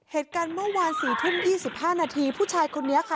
เหตุการณ์เมื่อวาน๔ทุ่ม๒๕นาทีผู้ชายคนนี้ค่ะ